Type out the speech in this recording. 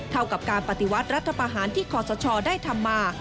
เท่ากับการปฏิวัติรัฐประหารที่ขอสชได้ทำมา